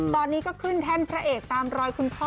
ตอนนี้ก็ขึ้นแท่นพระเอกตามรอยคุณพ่อ